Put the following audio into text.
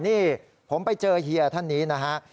นี่ผมไปเจอเฮียท่านนี้นะฮะ